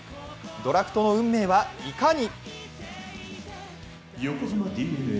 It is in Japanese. ドラフトの運命はいかに？